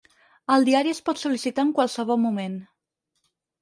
El Diari es pot sol·licitar en qualsevol moment.